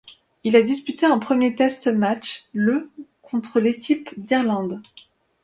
Il a disputé un premier test match le contre l'équipe d'Irlande.